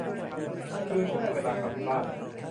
คืนก็ได้เวลากลับบ้าน